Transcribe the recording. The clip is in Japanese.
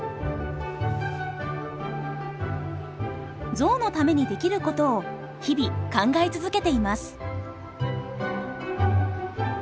ゾウのためにできることを日々考え続けています。